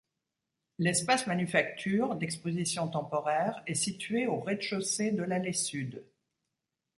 L'espace Manufactures, d'expositions temporaires, est situé au rez de chaussée de l'allée sud.